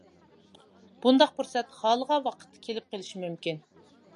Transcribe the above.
بۇنداق پۇرسەت خالىغان ۋاقىتتا كېلىپ قېلىشى مۇمكىن.